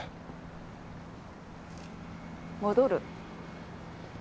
戻る？